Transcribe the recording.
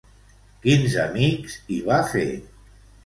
Quins amics hi va fer?